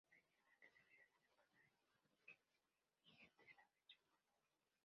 Festival que se realiza cada año y que sigue vigente a la fecha.